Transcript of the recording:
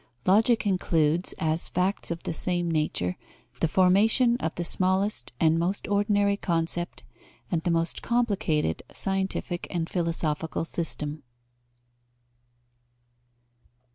Logic includes, as facts of the same nature, the formation of the smallest and most ordinary concept and the most complicated scientific and philosophical system.